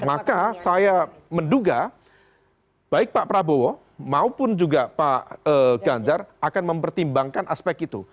maka saya menduga baik pak prabowo maupun juga pak ganjar akan mempertimbangkan aspek itu